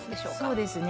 そうですね。